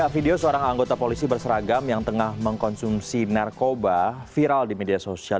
video seorang anggota polisi berseragam yang tengah mengkonsumsi narkoba viral di media sosial